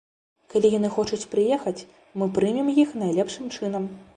Калі яны хочуць прыехаць, мы прымем іх найлепшым чынам.